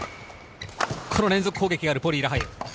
この連続攻撃があるポリイ。